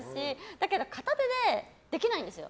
だけど、片手でできないんですよ。